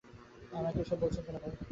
আমাকে এ সব বলছেন কেন তাই?